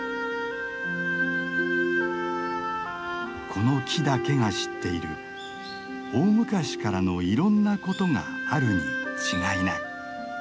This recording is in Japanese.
この木だけが知っている大昔からのいろんなことがあるに違いない。